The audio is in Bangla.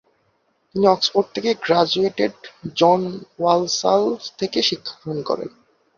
তিনি অক্সফোর্ড থেকে গ্রাজুয়েটেড জন ওয়ালসাল থেকে শিক্ষা গ্রহণ করেন।